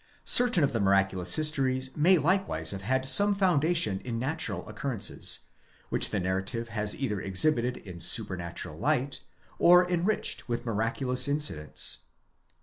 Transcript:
Certain of the miraculous histories may likewise have had some foundation in natural occurrences, which the narrative has either exhibited in a supernatural light, or enriched with miraculous incidents.